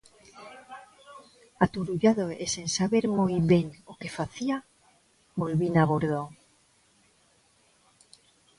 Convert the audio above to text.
Aturullado e sen saber moi ben o que facía, volvín a bordo.